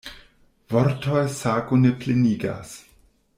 Vortoj sakon ne plenigas.